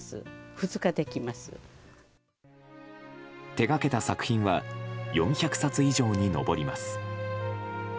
手掛けた作品は４００冊以上に上ります。